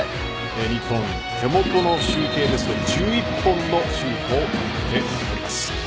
日本手元の集計ですが１１本のシュートを打っています。